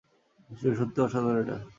ঈশ্বর, সত্যিই অসাধারণ এটা!